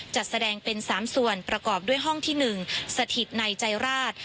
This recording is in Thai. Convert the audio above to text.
จัดแสดงเป็น๓ส่วนประกอบด้วยห้องที่๑สถิตในใจราช